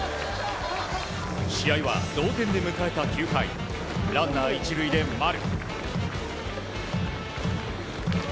試合は同点で迎えた９回ランナー１塁で丸。